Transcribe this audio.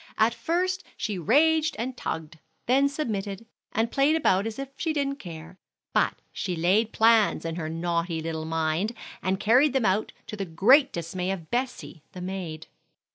At first she raged and tugged, then submitted, and played about as if she didn't care; but she laid plans in her naughty little mind, and carried them out, to the great dismay of Bessie, the maid.